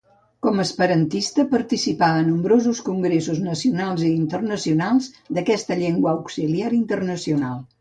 Com a esperantista, participà a nombrosos congressos nacionals i internacionals d'aquesta llengua auxiliar internacional.